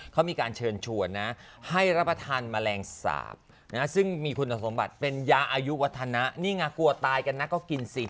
เขาก็จะไปนอนอยู่ตรงกลางถนน